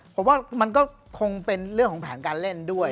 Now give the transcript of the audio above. ผมว่ามันก็คงเป็นเรื่องของแผนการเล่นด้วย